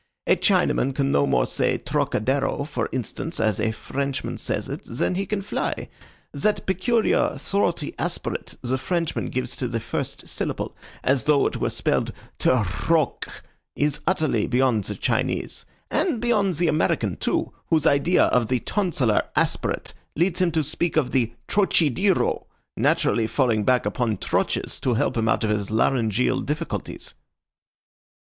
A Chinaman can no more say Trocadero, for instance, as the Frenchman says it, than he can fly. That peculiar throaty aspirate the Frenchman gives to the first syllable, as though it were spelled trhoque, is utterly beyond the Chinese and beyond the American, too, whose idea of the tonsillar aspirate leads him to speak of the trochedeero, naturally falling back upon troches to help him out of his laryngeal difficulties."